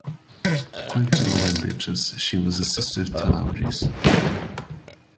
According to Iamblichus, she was a sister of Telauges.